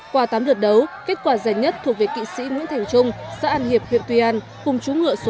qua tám đợt đấu kết quả giải nhất thuộc về kỵ sĩ nguyễn thành trung xã an hiệp huyện tuy an cùng chú ngựa số một